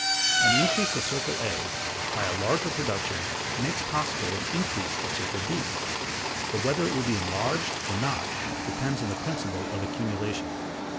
An increase of circle A by a larger production makes possible an increase of circle B, but whether it will be enlarged or not depends on the principle of accumulation.